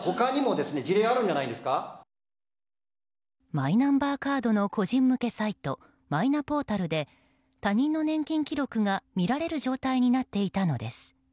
マイナンバーカードの個人向けサイトマイナポータルで他人の年金記録が見られる状態になっていたのです。